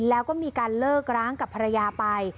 แล้วก็มีการเลิกร้างกับภรรยาไป